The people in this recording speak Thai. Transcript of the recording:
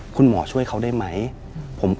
คุณหมอช่วยเขาได้ไหม